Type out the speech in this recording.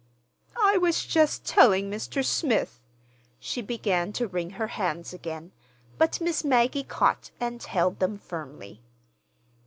"I was just telling Mr. Smith." She began to wring her hands again, but Miss Maggie caught and held them firmly.